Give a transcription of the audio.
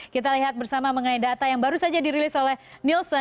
kita lihat bersama mengenai data yang baru saja dirilis oleh nielsen